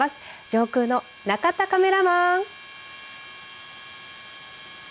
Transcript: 上空の中田カメラマン。